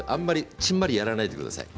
ちんまりやらないでください。